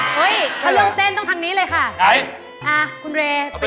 เฮ้ยเขาลองเต้นตรงทางนี้เลยค่ะ